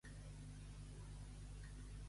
Penàguila, poble sense vergonya.